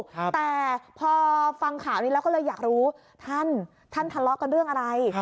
แต่พอฟังข่าวนี้แล้วก็เลยอยากรู้ท่านท่านทะเลาะกันเรื่องอะไร